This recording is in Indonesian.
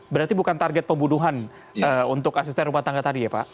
berarti bukan target pembunuhan untuk asisten rumah tangga tadi ya pak